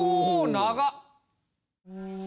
長っ！